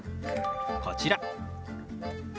こちら。